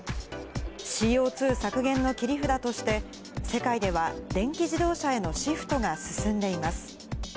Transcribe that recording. ＣＯ２削減の切り札として、世界では電気自動車へのシフトが進んでいます。